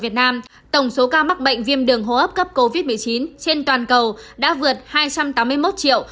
tổng số ca mắc bệnh viêm đường hô ấp cấp covid một mươi chín trên toàn cầu đã vượt hai trăm tám mươi một triệu